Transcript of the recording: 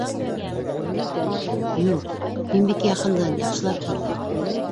Юҡ, мин бик яҡындан, яҡшылап күрҙем.